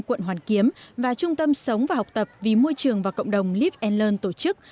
quận hoàn kiếm và trung tâm sống và học tập vì môi trường và cộng đồng live and learn tổ chức